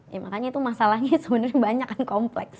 ya makanya itu masalahnya sebenarnya banyak kan kompleks